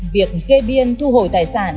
việc gây biên thu hồi tài sản